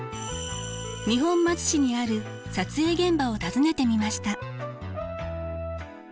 二本松市にある撮影現場を訪ねてみました。